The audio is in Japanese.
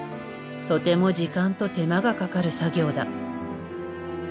とても時間と手間がかかる作業だ。